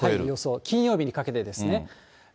予想、金曜日にかけてですね。